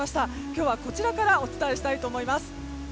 今日はこちらからお伝えしたいと思います。